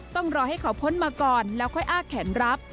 ต้องรอให้เขาพ้นมาก่อนแล้วค่อยอ้าแขนรับ